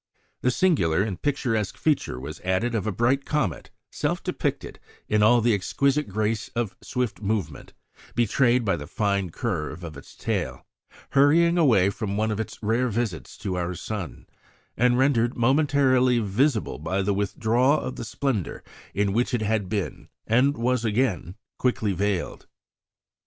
The singular and picturesque feature was added of a bright comet, self depicted in all the exquisite grace of swift movement betrayed by the fine curve of its tail, hurrying away from one of its rare visits to our sun, and rendered momentarily visible by the withdrawal of the splendour in which it had been, and was again quickly veiled.